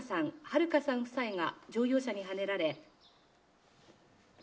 ハルカさん夫妻が乗用車にはねられ。